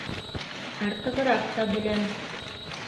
—- Артығыраҡ та беләм